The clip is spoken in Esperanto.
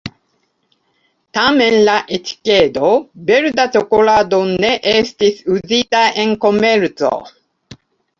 Tamen la etikedo “verda ĉokolado ne estis uzita en komerco.